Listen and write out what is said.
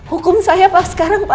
hukum saya pak sekarang pak